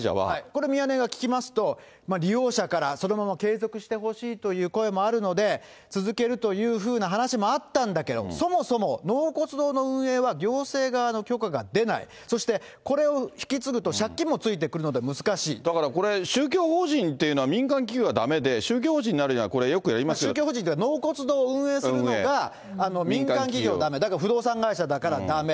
これ、ミヤネ屋が聞きますと、利用者から、そのまま継続してほしいという声もあるので、続けるというふうな話もあったんだけども、そもそも納骨堂の運営は行政側の許可が出ない、そしてこれを引き継ぐと、だからこれ、宗教法人っていうのは、民間企業はだめで、宗教法人になるのは、宗教法人というか、納骨堂を運営するのが民間企業だからだめ、だけど不動産会社だからだめ。